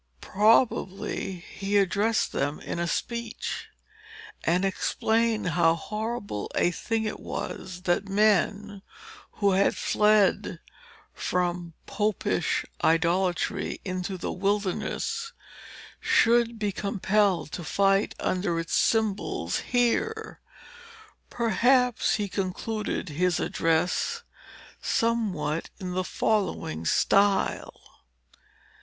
Probably he addressed them in a speech, and explained how horrible a thing it was, that men, who had fled from Popish idolatry into the wilderness, should be compelled to fight under its symbols here. Perhaps he concluded his address somewhat in the following style.